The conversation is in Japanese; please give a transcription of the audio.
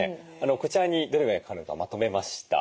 こちらにどれぐらいかかるのかまとめました。